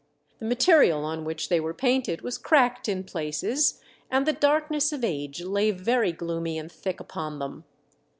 The material on which they were painted was cracked in places, and the dark ness of age lay very gloomy and thick upon them.